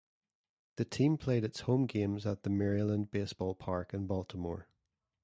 The team played its home games at the Maryland Baseball Park in Baltimore.